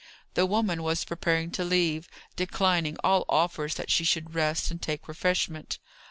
The woman was preparing to leave, declining all offers that she should rest and take refreshment.